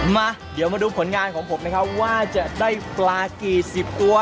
มาเดี๋ยวมาดูผลงานของผมนะครับว่าจะได้ปลากี่สิบตัว